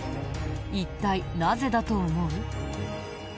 一体なぜだと思う？